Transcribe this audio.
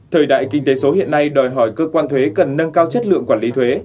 thời đại kinh tế số hiện nay đòi hỏi cơ quan thuế cần nâng cao chất lượng quản lý thuế